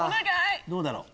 どうだろう？